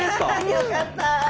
よかった。